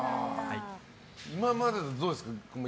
今までだと、どうですか？